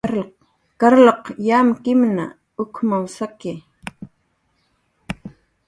Carlq yamkimna sakiwa